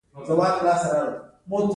بررسي او نظارت او تفتیش سره توپیر لري.